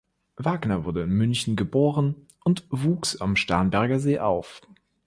Wagner wurde in München geboren und wuchs am Starnberger See auf.